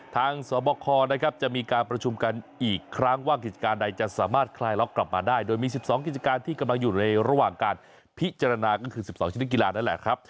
สอบคอนะครับจะมีการประชุมกันอีกครั้งว่ากิจการใดจะสามารถคลายล็อกกลับมาได้โดยมี๑๒กิจการที่กำลังอยู่ในระหว่างการพิจารณาก็คือ๑๒ชนิดกีฬานั่นแหละครับ